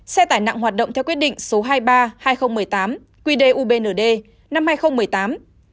xe tải nặng hoạt động theo quyết định số hai mươi ba hai nghìn một mươi tám quy đề ubnd năm hai nghìn một mươi tám